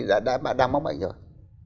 bạn đang mắc bệnh rồi